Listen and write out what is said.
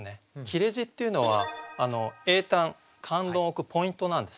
切字っていうのは詠嘆・感動を置くポイントなんですね。